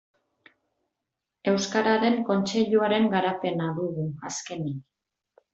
Euskararen Kontseiluaren garapena dugu azkenik.